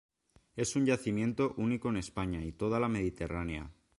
Es un yacimiento único en España y toda la mediterránea.